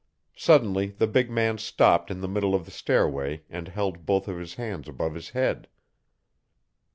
Suddenly the big man stopped in the middle of the stairway and held both of his hands above his head.